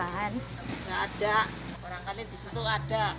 tidak ada orang kalian di situ ada